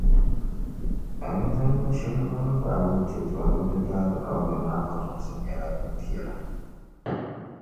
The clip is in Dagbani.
Alizanda shεli bɛ ni gbaai wuntizɔriba di daalikauli maa kotomsi nyɛla, din viɛlla.